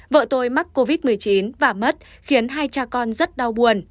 vợ tôi mắc covid một mươi chín và mất khiến hai cha con rất đau buồn